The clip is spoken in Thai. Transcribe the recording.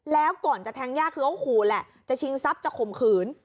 แล้วก่อนจะแทงย่าคือเขาขู่แหละจะชิงทรัพย์จะข่มขืน